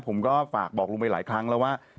ผมก็ฝากบอกลุงไปหลายครั้งแล้วว่า